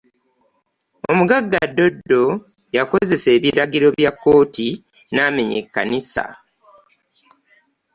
Omugagga Dodo yakozesa ebiragiro bya kkooti n'amenya ekkanisa.